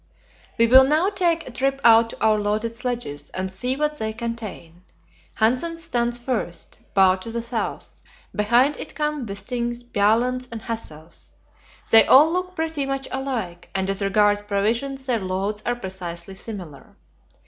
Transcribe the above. We will now take a trip out to our loaded sledges, and see what they contain. Hanssen's stands first, bow to the south; behind it come Wisting's, Bjaaland's and Hassel's. They all look pretty much alike, and as regards provisions their loads are precisely similar.